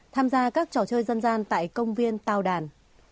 tham gia các trò chơi dân gian tại công viên tàu đàn